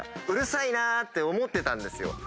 うるさいなって思ってたんですよ。